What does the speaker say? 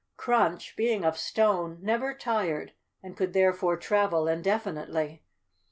Crunch, being of stone, never tired and could therefore travel indefinitely.